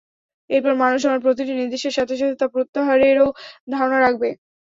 এরপর মানুষ আমার প্রতিটি নির্দেশের সাথে সাথে তা প্রত্যাহারেরও ধারণা রাখবে।